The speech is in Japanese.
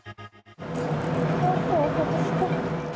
ホースを外して。